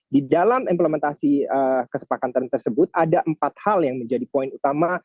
di dalam implementasi kesepakatan tersebut ada empat hal yang menjadi poin utama